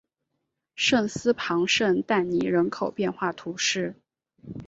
桑斯旁圣但尼人口变化图示